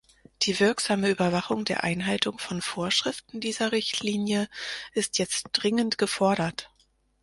Die wirksame Überwachung der Einhaltung von Vorschriften dieser Richtlinie ist jetzt dringend gefordert.